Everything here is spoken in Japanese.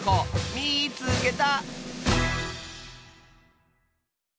「みいつけた！」。